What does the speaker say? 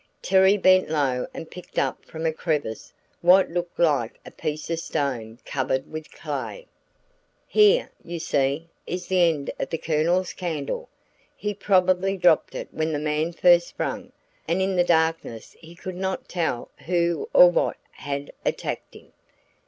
Terry bent low and picked up from a crevice what looked like a piece of stone covered with clay. "Here, you see, is the end of the Colonel's candle. He probably dropped it when the man first sprang, and in the darkness he could not tell who or what had attacked him.